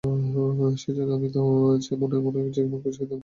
সেইজন্যই সে মনে মনে যেমন খুশি তেমনি আশ্চর্য হইয়া উঠিল।